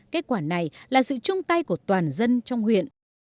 kết quả này là sự chung tay của toàn dân trong huyện